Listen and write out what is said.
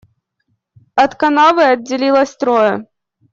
От канавы отделилось трое.